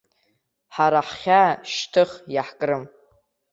Ҳара ҳхьаа шьҭых иаҳкрым.